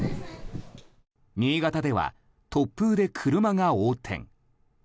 新潟では、突風で車が横転。